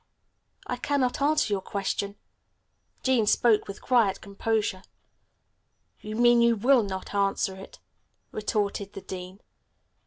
"I cannot answer your question," Jean spoke with quiet composure. "You mean you will not answer it," retorted the dean.